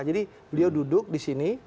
jadi beliau duduk disini